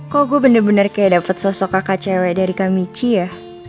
kok gue bener bener kayak dapet sosok kakak cewek dari kamichi ya